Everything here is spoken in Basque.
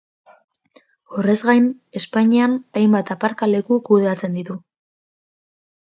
Horrez gain, Espainian hainbat aparkaleku kudeatzen ditu.